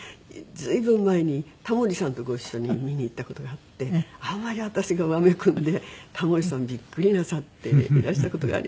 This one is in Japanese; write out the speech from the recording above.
随分前にタモリさんとご一緒に見に行った事があってあんまり私がわめくんでタモリさんビックリなさっていらした事がありました。